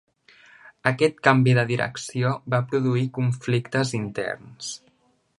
Aquest canvi de direcció va produir conflictes interns.